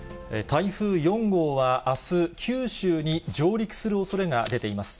台風４号はあす、九州に上陸するおそれが出ています。